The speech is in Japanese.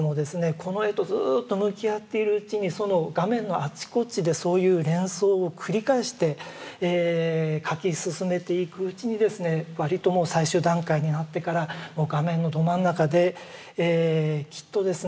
この絵とずっと向き合っているうちにその画面のあちこちでそういう連想を繰り返して描き進めていくうちにですね割ともう最終段階になってから画面のど真ん中できっとですね